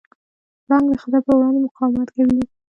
پړانګ د خطر پر وړاندې مقاومت کوي.